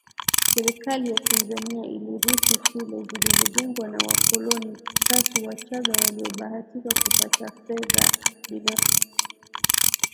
Serikali ya Tanzania ilirithi shule zilizojengwa na wakoloni tatu Wachagga waliobahatika kupata fedha binafsi